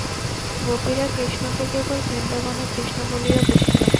গোপীরা কৃষ্ণকে কেবল বৃন্দাবনের কৃষ্ণ বলিয়া বুঝিত।